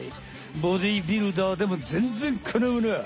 ボディービルダーでもぜんぜんかなわない！